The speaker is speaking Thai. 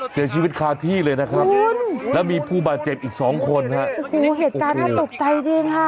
เสียชีวิตคาที่เลยนะครับแล้วมีผู้บาดเจ็บอีกสองคนฮะโอ้โหเหตุการณ์น่าตกใจจริงค่ะ